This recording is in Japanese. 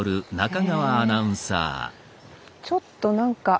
ちょっと何か。